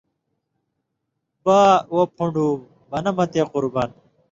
با: وو پُھن٘ڈُو بنہ مہ تےقُربان!